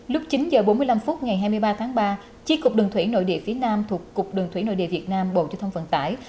lúc chín h bốn mươi năm phút ngày hai mươi ba tháng ba chiếc cục đường thủy nội địa phía nam thuộc cục đường thủy nội địa việt nam bộ chức thông vận tải